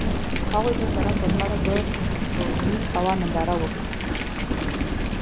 هغوی د سړک پر غاړه د سپوږمیز هوا ننداره وکړه.